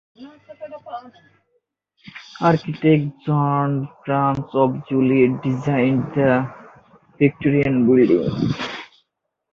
Architect John Barnes of Joliet designed the Victorian building.